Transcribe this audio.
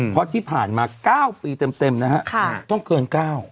เพราะที่ผ่านมา๙ปีเต็มนะฮะต้องเกิน๙